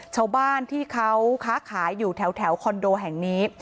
ชาวบ้านที่เขาค้าขายอยู่แถวคอนโดแห่งนี้